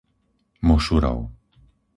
Mošurov